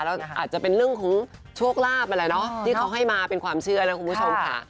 แล้วอาจจะเป็นเรื่องของโชคลาภนั่นแหละเนาะที่เขาให้มาเป็นความเชื่อนะคุณผู้ชมค่ะ